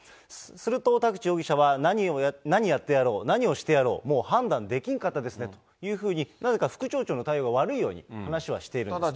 すると、田口容疑者は、何やってやろう、何をしてやろう、もう判断できんかったですねというふうに、なぜか副町長の対応を悪いように話をしているんです。